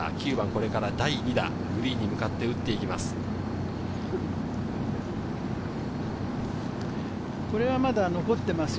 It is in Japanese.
これから第２打、グリーンに向かって打っていきます。